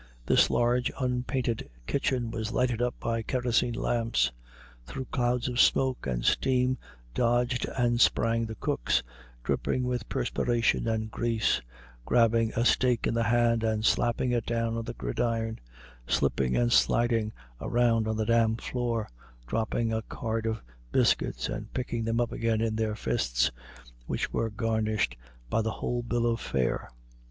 This large, unpainted kitchen was lighted up by kerosene lamps. Through clouds of smoke and steam dodged and sprang the cooks, dripping with perspiration and grease, grabbing a steak in the hand and slapping it down on the gridiron, slipping and sliding around on the damp floor, dropping a card of biscuits and picking them up again in their fists, which were garnished by the whole bill of fare.